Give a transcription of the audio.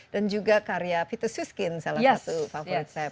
dan juga karya vita suskin salah satu favorit saya